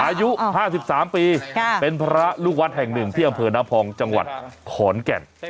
อายุ๕๓ปีเป็นพระลูกวัดแห่งหนึ่งที่อำเภอน้ำพองจังหวัดขอนแก่น